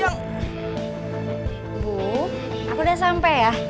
aku udah sampe ya